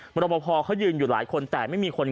รบพอเขายืนอยู่หลายคนแต่ไม่มีคน